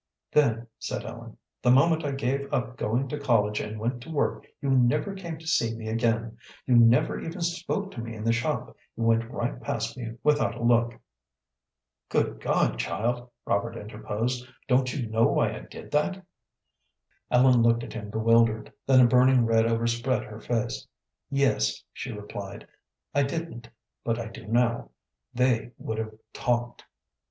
"Then," said Ellen, "the moment I gave up going to college and went to work you never came to see me again; you never even spoke to me in the shop; you went right past me without a look." "Good God! child," Robert interposed, "don't you know why I did that?" Ellen looked at him bewildered, then a burning red overspread her face. "Yes," she replied. "I didn't. But I do now. They would have talked."